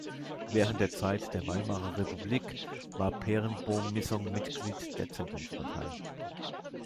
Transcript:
Während der Zeit der Weimarer Republik war Peerenboom-Missong Mitglied der Zentrumspartei.